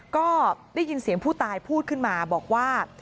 ก็ได้ยินเสียงผู้ตายพูดขึ้นมาบอกว่า